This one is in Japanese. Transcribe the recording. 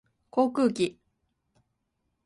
航空機